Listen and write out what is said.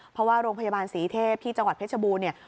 เพราะว่าโรงพยาบาลศรีเทพที่จังหวัดเพชรบูรณเนี่ย